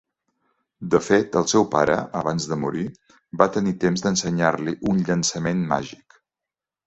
De fet, el seu pare, abans de morir, va tenir temps d'ensenyar-li un llançament màgic.